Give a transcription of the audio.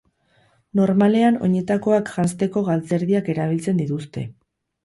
Normalean oinetakoak janzteko galtzerdiak erabiltzen dituzte.